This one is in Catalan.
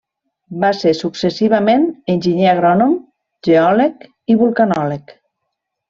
Va ser successivament enginyer agrònom, geòleg i vulcanòleg.